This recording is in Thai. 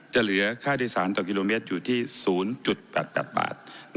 เหลือค่าโดยสารต่อกิโลเมตรอยู่ที่๐๘๘บาท